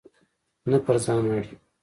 نه پر ځان اړ یو.